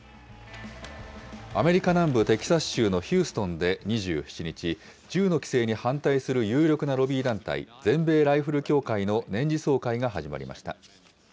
アメリカ南部テキサス州のヒューストンで２７日、銃の規制に反対する有力なロビー団体、全米ライフル協会の年次総会が始まりました。